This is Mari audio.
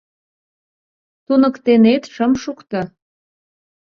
Туныктенет шым шукто.